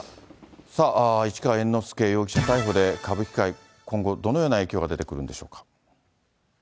さあ、市川猿之助容疑者逮捕で歌舞伎界、今後どのような影響が出てくるんでしょうか。